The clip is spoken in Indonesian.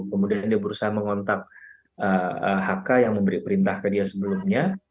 kemudian dia berusaha mengontak hk yang memberi perintah ke dia sebelumnya